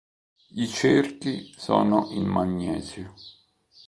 I cerchi sono in magnesio.